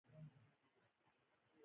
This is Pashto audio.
چې تاسو په داسې وخت کې وخندوي